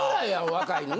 若いのな。